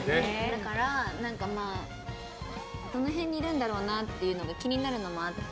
だからどの辺にいるんだろうなっていうのが気になるのもあって。